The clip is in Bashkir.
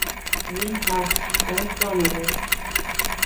Зинһар, тынысланығыҙ!